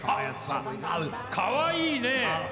かわいいね！